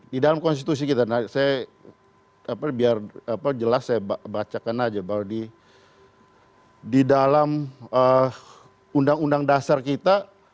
di dalam konstitusi kita saya biar jelas saya bacakan aja bahwa di dalam undang undang dasar kita